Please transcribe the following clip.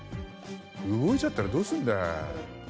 動いちゃったらどうするんだよ。